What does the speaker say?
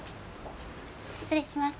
失礼します。